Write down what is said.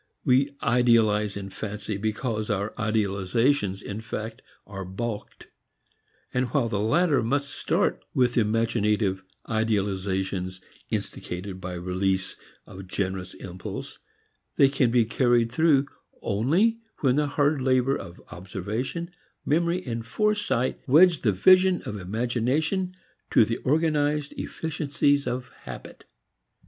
We idealize in fancy because our idealizations in fact are balked. And while the latter must start with imaginative idealizations instigated by release of generous impulse, they can be carried through only when the hard labor of observation, memory and foresight weds the vision of imagination to the organized efficiencies of habit.